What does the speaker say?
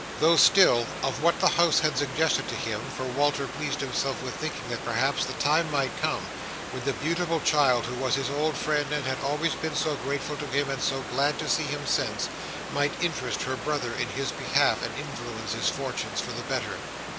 Though still, of what the house had suggested to him; for Walter pleased himself with thinking that perhaps the time might come, when the beautiful child who was his old friend and had always been so grateful to him and so glad to see him since, might interest her brother in his behalf and influence his fortunes for the better.